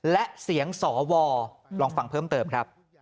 และเสียงสวลองฟังเพิ่มเติมครับ